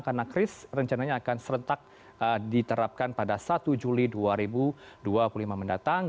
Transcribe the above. karena kris rencananya akan serentak diterapkan pada satu juli dua ribu dua puluh lima mendatang